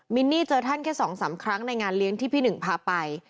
นี่เจอท่านแค่๒๓ครั้งในงานเลี้ยงที่พี่หนึ่งพาไป